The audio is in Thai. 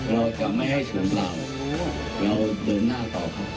เราจะไม่ให้สูงเปล่าเราเดินหน้าต่อแล้ว